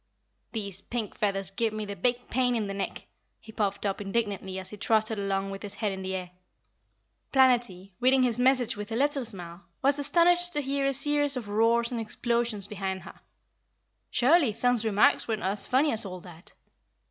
"These pink feathers give me the big pain in the neck," he puffed up indignantly as he trotted along with his head in the air. Planetty, reading his message with a little smile, was astonished to hear a series of roars and explosions behind her. Surely Thun's remarks were not as funny as all that!